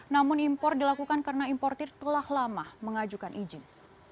namun impor dilakukan karena importer telah lama mengajukan izin